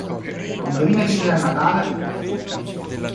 Indovina chi viene a Natale?